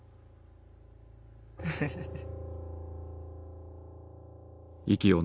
フフフフッ。